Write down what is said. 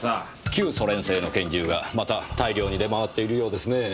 旧ソ連製の拳銃がまた大量に出回っているようですねぇ。